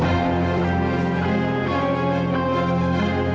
yang sepupu banget